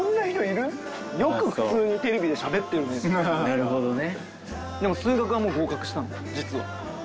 なるほどね。